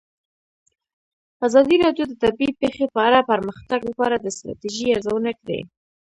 ازادي راډیو د طبیعي پېښې په اړه د پرمختګ لپاره د ستراتیژۍ ارزونه کړې.